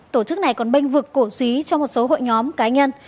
tổ chức này còn bênh vực cổ suý cho một số hội nhóm cá nhân